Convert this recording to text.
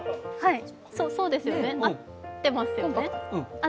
そうですよね、合ってますよね。